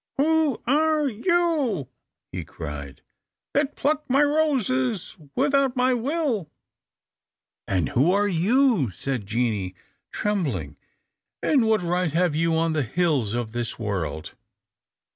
"Who are you," he cried, "that pluck my roses without my will?" "And who are you?" said Jeanie, trembling, "and what right have you on the hills of this world?"